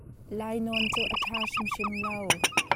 Lainawn cu a ṭha hrimhrim lo.